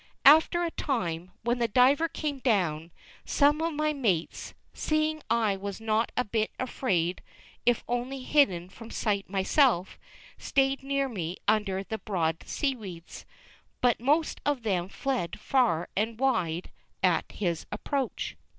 After a time, when the diver came down, some of my mates, seeing I was not a bit afraid if only hidden from sight myself, stayed near me under the broad seaweeds, but most of them fled far and wide at his approach.